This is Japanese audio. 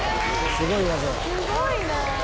すごいな。